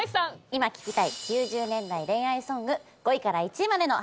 今聴きたい９０年代恋愛ソング５位から１位までの発表です。